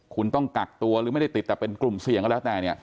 คุณต้องกักตัวหรือไม่ได้ติดแต่เป็นกลุ่มเสี่ยงก็แล้วแต่เนี่ย